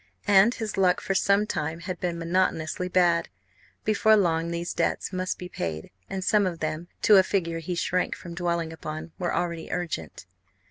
And his luck for some time had been monotonously bad. Before long these debts must be paid, and some of them to a figure he shrank from dwelling upon were already urgent.